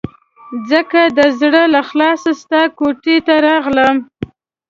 ځکه د زړه له اخلاصه ستا کوټې ته راغلم.